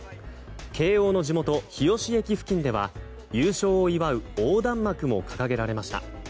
慶応の地元日吉駅付近では優勝を祝う横断幕も掲げられました。